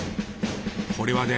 これはね